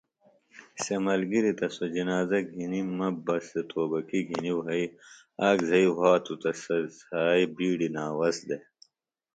سےۡ ملگِریۡ تہ سوۡ جنازہ گھنیۡ مہ بہ سےۡ توبکیۡ گھنیۡ وھئیۡ آک زھئیۡ وھاتہ تہ سےۡ زھائیۡ بِیڈیۡ ناوس دےۡ